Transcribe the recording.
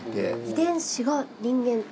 遺伝子が人間と？